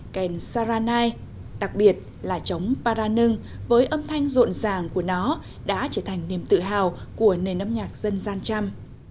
kèn saranai đặc biệt là chống paranung với âm thanh rộn ràng của nó đã trở thành niềm tự hào của nền âm nhạc dân gian chăm